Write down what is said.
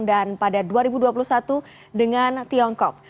dan pada dua ribu dua puluh satu dengan tiongkok